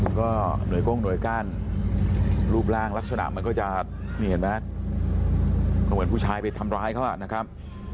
ก็หน่วยก้งหน่วยกั้นรูปร่างลักษณะมันก็จะนี่เห็นไหมก็เหมือนผู้ชายไปทำร้ายเขานะครับ